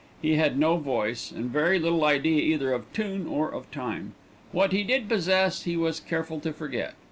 He had no voice, and very little idea either of tune or of time. What he did possess he was careful to forget.